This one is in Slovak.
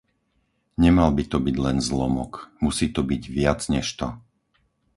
Nemal by to byť len zlomok, musí to byť viac než to.